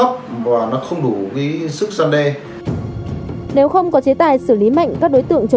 và nâng mức xử phạt để đủ sức gian đe